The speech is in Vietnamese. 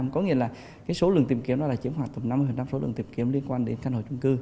có nghĩa là cái số lượng tìm kiếm nó là chiếm hoạt tầm năm mươi số lượng tìm kiếm liên quan đến căn hộ trung cư